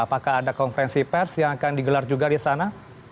apakah ada konferensi pers yang akan digelar juga di sana